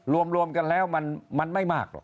รวมรวมกันแล้วมันไม่มาก